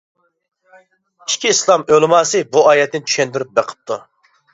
ئىككى ئىسلام ئۆلىماسى بۇ ئايەتنى چۈشەندۈرۈپ بېقىپتۇ.